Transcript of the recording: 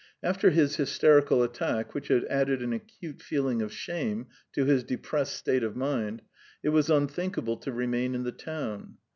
After his hysterical attack, which had added an acute feeling of shame to his depressed state of mind, it was unthinkable to remain in the town.